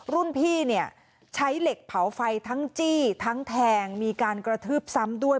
รุ่นพี่เนี่ยใช้เหล็กเผาไฟทั้งจี้ทั้งแทงมีการกระทืบซ้ำด้วย